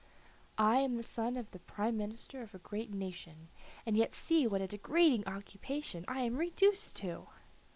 "I am the son of the prime minister of a great nation, and yet see what a degrading occupation I am reduced to."